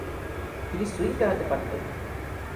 তিনি সুইং করাতে পারতেন।